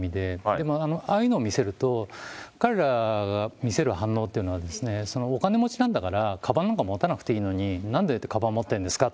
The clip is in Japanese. でも、ああいうのを見せると、彼らが見せる反応っていうのは、お金持ちなんだから、かばんなんか持たなくていいのに、なんでかばん持ってるんですか？